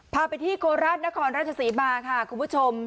พาไปที่โคราชนครราชศรีมาค่ะคุณผู้ชม